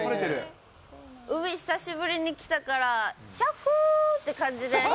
海、久しぶりに来たから、ひゃっほーっ！って感じです。